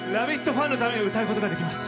ファンのために歌うことができます。